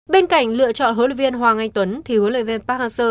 bên cạnh lựa chọn huấn luyện viên hoàng anh tuấn thì huấn luyện viên park hang seo